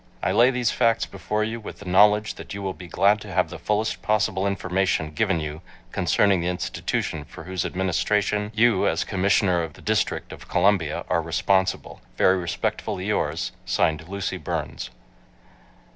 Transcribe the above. I lay these facts before you with the knowledge that you will be glad to have the fullest possible information given you concerning the institution for whose administration you as Commissioner of the District of Columbia are responsible.' Very respectfully yours, (Signed) LUCY BURNS.